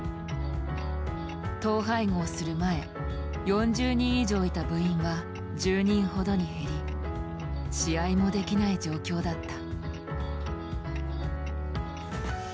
統廃合する前４０人以上いた部員は１０人ほどに減り試合もできない状況だった。